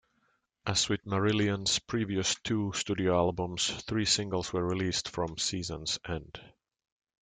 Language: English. As with Marillion's previous two studio albums, three singles were released from "Seasons End".